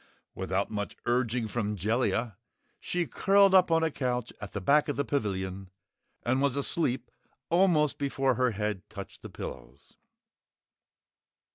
Without much urging from Jellia, she curled up on a couch at the back of the pavilion and was asleep almost before her head touched the pillows.